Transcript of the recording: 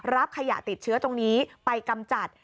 รับขยะติดเชื้อตรงนี้ไปกำจัด